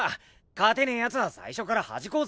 勝てねえ奴は最初からはじこうぜ。